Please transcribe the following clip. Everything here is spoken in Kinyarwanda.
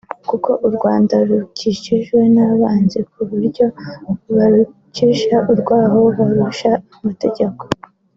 kuko u Rwanda rukikijwe n’abanzi ku buryo baruciye urwaho baruhungabanyiriza umutekano